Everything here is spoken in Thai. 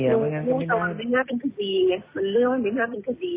มันไม่น่าเป็นคดีไงมันเรื่องไม่น่าเป็นคดี